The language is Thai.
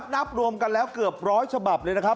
นับรวมกันแล้วเกือบร้อยฉบับเลยนะครับ